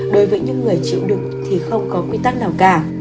đối với những người chịu đựng thì không có quy tắc nào cả